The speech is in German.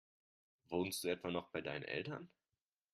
Wohnst du etwa noch bei deinen Eltern?